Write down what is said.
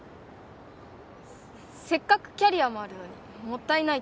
せっかくキャリアもあるのにもったいないっていうか